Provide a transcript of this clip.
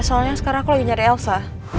soalnya sekarang aku lagi nyari elsa